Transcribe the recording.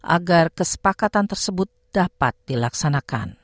agar kesepakatan tersebut dapat dilaksanakan